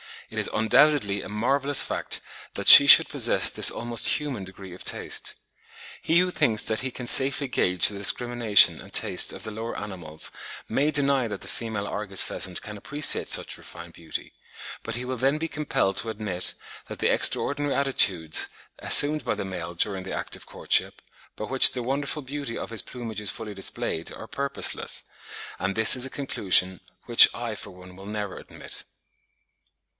It is undoubtedly a marvellous fact that she should possess this almost human degree of taste. He who thinks that he can safely gauge the discrimination and taste of the lower animals may deny that the female Argus pheasant can appreciate such refined beauty; but he will then be compelled to admit that the extraordinary attitudes assumed by the male during the act of courtship, by which the wonderful beauty of his plumage is fully displayed, are purposeless; and this is a conclusion which I for one will never admit.